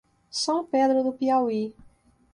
São Pedro do Piauí